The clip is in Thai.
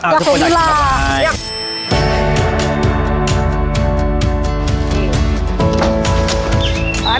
กับศูนย์ล่า